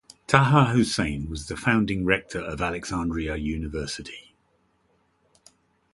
Taha Hussein was the founding rector of Alexandria University.